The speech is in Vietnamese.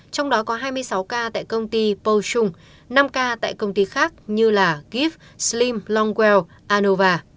trong đó có hai mươi sáu ca tại công ty pô trung năm ca tại công ty khác như gif slim longwell anova